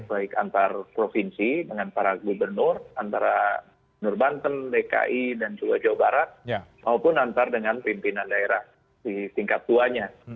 baik antar provinsi dengan para gubernur antara nur banten dki dan juga jawa barat maupun antar dengan pimpinan daerah di tingkat tuanya